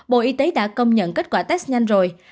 bộ y tế đã công nhận kết quả test nhanh rồi